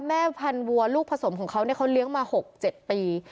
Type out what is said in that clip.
แม่พันวัวลูกผสมของเขาเขาเลี้ยงมา๖๗ปี